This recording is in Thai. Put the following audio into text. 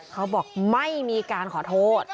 เขาบอกไม่มีการขอโทษ